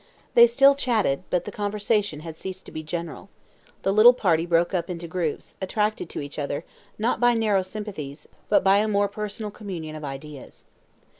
They still chatted, but the conversation had ceased to be general. The little party broke up into groups, attracted to each other, not by narrow sympathies, but by a more personal communion of ideas.